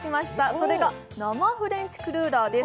それが生フレンチクルーラーです。